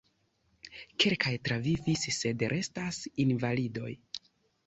Kelkaj travivis sed restas invalidoj.